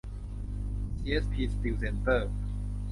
ซีเอสพี สตีลเซ็นเตอร์